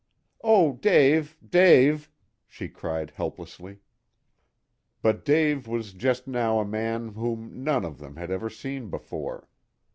"Oh, Dave, Dave!" she cried helplessly. But Dave was just now a man whom none of them had ever seen before.